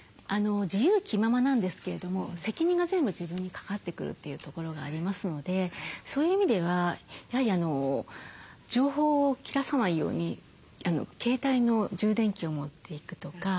自由気ままなんですけれども責任が全部自分にかかってくるというところがありますのでそういう意味ではやはり情報を切らさないように携帯の充電器を持っていくとか。